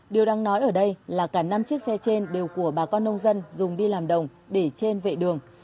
điều đang nói ở đây là cả năm chiếc xe trên đều của bà con nông dân dùng đi làm đồng để trên vệ đường